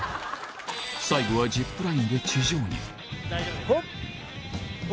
最後はジップラインで地上に大丈夫です。